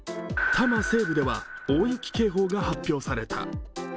多摩西部では大雪警報が発表された。